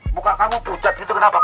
muka kamu pucat gitu kenapa kak